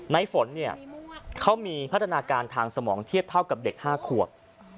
ฝนเนี่ยเขามีพัฒนาการทางสมองเทียบเท่ากับเด็ก๕ขวบ